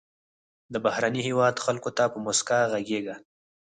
د بهرني هېواد خلکو ته په موسکا غږیږه.